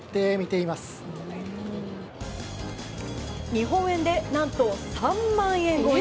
日本円で何と３万円超え。